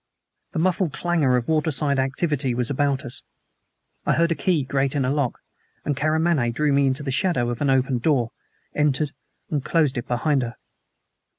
The muffled clangor of waterside activity was about us. I heard a key grate in a lock, and Karamaneh drew me into the shadow of an open door, entered, and closed it behind her.